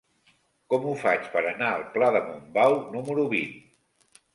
Com ho faig per anar al pla de Montbau número vint?